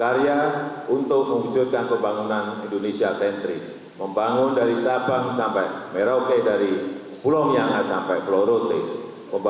hanya enggak tahu kalau bersaing dengan berjuangan seperti apa saya enggak bisa menjawab